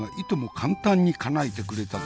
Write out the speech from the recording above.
簡単にかなえてくれたぞ。